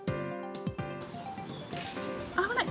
危ない！